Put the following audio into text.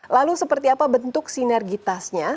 lalu seperti apa bentuk sinergitasnya